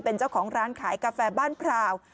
เป็นเจ้าของร้านขายกาแฟบ้านพราว